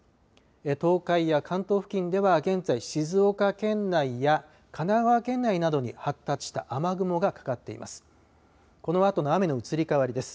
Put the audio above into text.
東海や関東付近では現在静岡県内や神奈川県内などに発達した雨雲がかかっています。